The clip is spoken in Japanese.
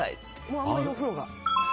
あんまりお風呂が。